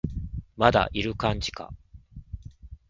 まだいる感じか